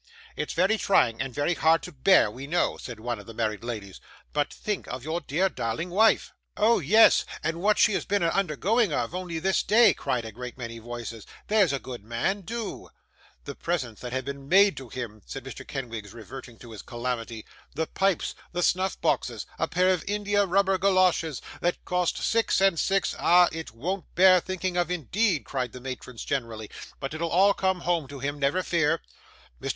'It's very trying, and very hard to bear, we know,' said one of the married ladies; 'but think of your dear darling wife.' 'Oh yes, and what she's been a undergoing of, only this day,' cried a great many voices. 'There's a good man, do.' 'The presents that have been made to him,' said Mr. Kenwigs, reverting to his calamity, 'the pipes, the snuff boxes a pair of india rubber goloshes, that cost six and six ' 'Ah! it won't bear thinking of, indeed,' cried the matrons generally; 'but it'll all come home to him, never fear.' Mr.